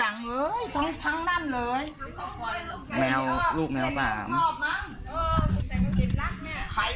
ทั้งทั้งนั้นเลยแมวลูกแมวสามชอบมั้งเออแต่มันกินรักเนี้ย